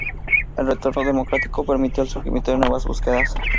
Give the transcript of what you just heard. El retorno democrático permitió el surgimiento de nuevas búsquedas.